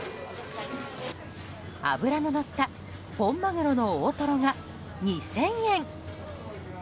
脂ののった本マグロの大トロが２０００円。